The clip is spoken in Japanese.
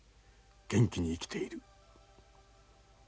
元気に生きている。